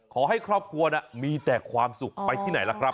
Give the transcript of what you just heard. ขอให้ครอบครัวมีแต่ความสุขไปที่ไหนล่ะครับ